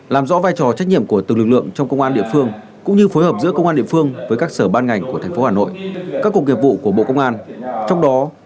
làm rõ vai trò trách nhiệm của từng lực lượng trong công an địa phương